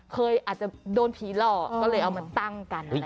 เคยอาจจะโดนผีหลอกก็เลยเอามาตั้งกันอะไรอย่างนี้